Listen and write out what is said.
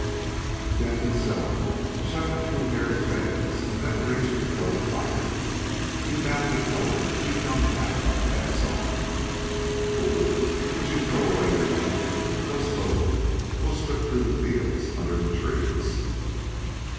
Death itself shuddered through Hare's veins and then a raging flood of fire. He bounded forward to be flung back by Naab's arm. "Fool! Would you throw away your life? Go slowly. We'll slip through the fields, under the trees."